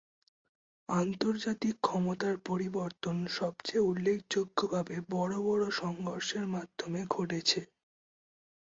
আন্তর্জাতিক ক্ষমতার পরিবর্তন সবচেয়ে উল্লেখযোগ্যভাবে বড় বড় সংঘর্ষের মাধ্যমে ঘটেছে।